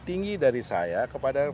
tinggi dari saya kepada